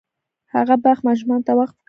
هغه باغ ماشومانو ته وقف کړ.